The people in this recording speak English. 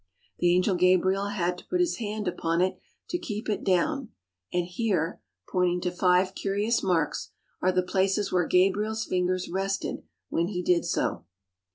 The Angel Gabriel had to put his hand upon it to keep it down, and here," pointing to five curious marks, "are the places where Gabriel's fingers rested when he did so."